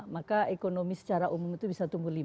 maka ekonomi secara umum itu bisa tumbuh lima